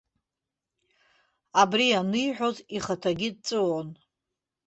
Абри аниҳәоз ихаҭагьы дҵәыуон.